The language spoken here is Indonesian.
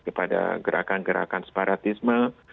kepada gerakan gerakan separatisme